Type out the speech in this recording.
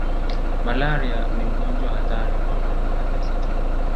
Malaria ni ugonjwa hatari kwa mama wajawazito